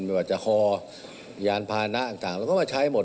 ไม่ว่าจะคอยานพานะต่างเราก็มาใช้หมด